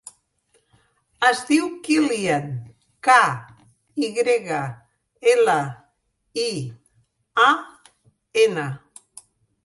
Es diu Kylian: ca, i grega, ela, i, a, ena.